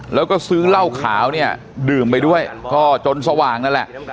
แล้วก็ซื้อเหล้าขาวเนี่ยดื่มไปด้วยก็จนสว่างนั่นแหละ